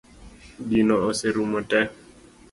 Gino oserumo tee